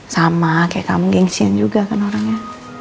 sama kayak kamu gengsian juga kan orangnya